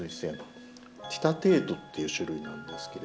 「テイタテイト」っていう種類なんですけれども。